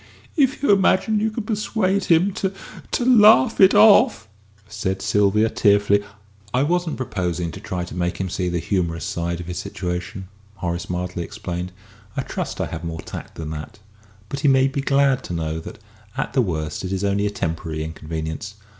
"If you imagine you can persuade him to to laugh it off!" said Sylvia, tearfully. "I wasn't proposing to try to make him see the humorous side of his situation," Horace mildly explained. "I trust I have more tact than that. But he may be glad to know that, at the worst, it is only a temporary inconvenience.